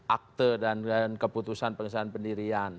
akte dan keputusan pengesahan pendirian